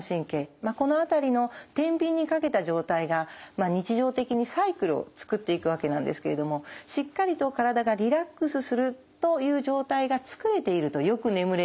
まあこの辺りのてんびんにかけた状態が日常的にサイクルをつくっていくわけなんですけれどもしっかりと体がリラックスするという状態がつくれているとよく眠れる。